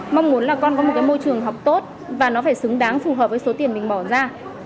mong muốn là con có một cái môi trường học tốt và nó phải xứng đáng phù hợp với số tiền mình bỏ ra